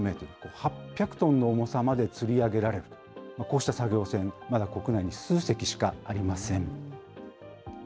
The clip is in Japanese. ８００トンの重さまでつり上げられる、こうした作業船、まだ国内に数隻しかありません。